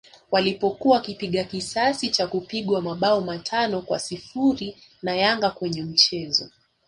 walipokuwa wakipiga kisasi cha kupigwa mabao matano kwa sifuri na Yanga kwenye mchezo